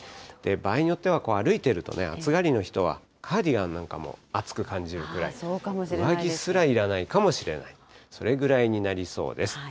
場合によっては、歩いていると暑がりの人は、カーディガンなんかも暑く感じるくらい、上着すらいらないかもしれない、それぐらいになりそうです。